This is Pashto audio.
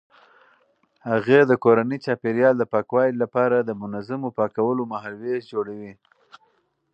هغې د کورني چاپیریال د پاکوالي لپاره د منظمو پاکولو مهالویش جوړوي.